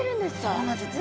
そうなんですよ。